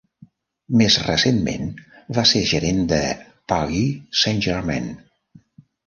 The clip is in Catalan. Més recentment va ser el gerent de Paris Saint-Germain.